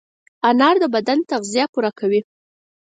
انار د بدن تغذیه پوره کوي.